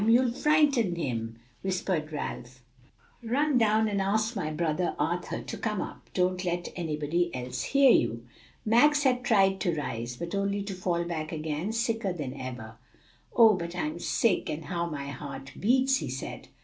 you'll frighten him," whispered Ralph. "Run down and ask my brother Arthur to come up. Don't let anybody else hear you." Max had tried to rise, but only to fall back again sicker than ever. "Oh, but I'm sick, and how my heart beats!" he said.